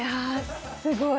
すごい。